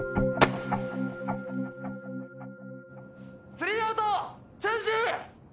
スリーアウトチェンジ！